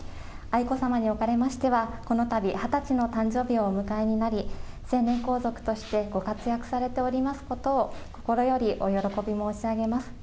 愛子さまにおかれましては、このたび２０歳の誕生日をお迎えになり、成年皇族としてご活躍されておりますことを心よりお喜び申し上げます。